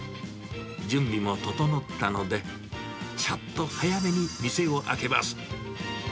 準備も整ったので、ちょっと早めに店を開けます。